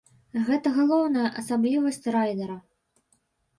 Гэта галоўная асаблівасць райдара.